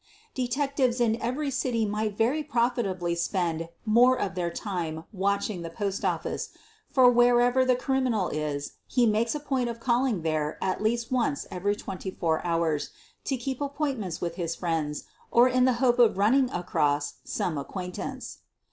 Detectives in every city might very profitably spend more of their time watching the postofiice, for wherever the criminal is he makes a point of calling there at leaut once every twenty four hours to keep appointments with his friends or in the hope of running across lome acquaintance.